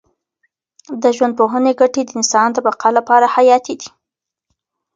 د ژوندپوهنې ګټې د انسان د بقا لپاره حیاتي دي.